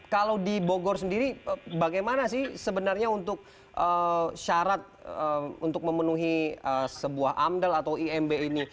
kalau di bogor sendiri bagaimana sih sebenarnya untuk syarat untuk memenuhi sebuah amdal atau imb ini